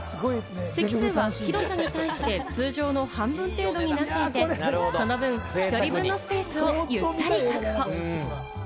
席数は広さに対して通常の半分程度になっているため、その分、１人分のスペースをゆったり確保。